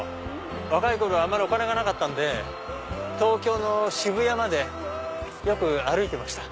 若い頃はあんまりお金がなかったんで東京の渋谷まで歩いてました。